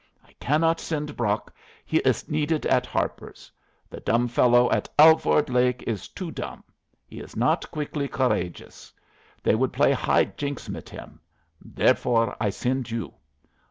I cannot send Brock, he is needed at Harper's. The dumb fellow at Alvord Lake is too dumb; he is not quickly courageous. They would play high jinks mit him. Therefore I send you.